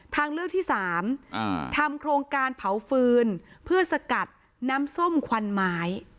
ทางเลือกที่๓ทำโครงการเผาฟืนเพื่อสกัดน้ำส้มควันไม้